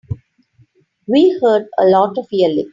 We heard a lot of yelling.